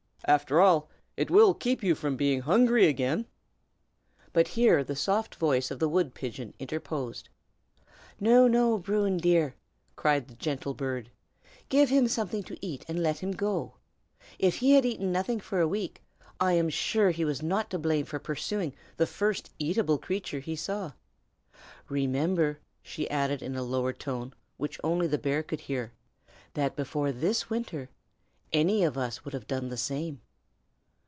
After all, it will keep you from being hungry again." But here the soft voice of the wood pigeon interposed. "No, no! Bruin, dear," cried the gentle bird. "Give him something to eat, and let him go. If he had eaten nothing for a week, I am sure he was not to blame for pursuing the first eatable creature he saw. Remember," she added in a lower tone, which only the bear could hear, "that before this winter, any of us would have done the same."